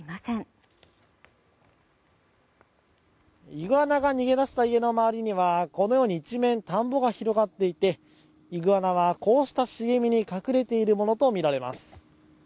イグアナが逃げ出した家の周りにはこのように一面田んぼが広がっていてイグアナはこうした茂みに隠れているものとみられます。